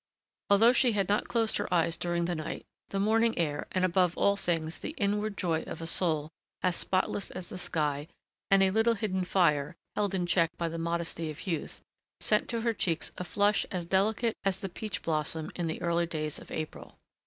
Although she had not closed her eyes during the night, the morning air, and above all things the inward joy of a soul as spotless as the sky, and a little hidden fire, held in check by the modesty of youth, sent to her cheeks a flush as delicate as the peach blossom in the early days of April.